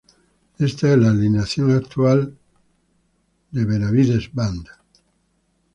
Esta es la alineación actual de Benavides Band.